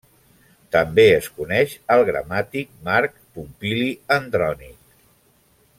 També es coneix al gramàtic Marc Pompili Andrònic.